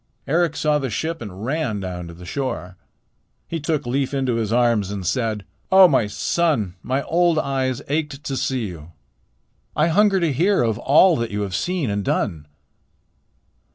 Eric saw the ship and ran down to the shore. He took Leif into his arms and said: "Oh, my son, my old eyes ached to see you. I hunger to hear of all that you have seen and done."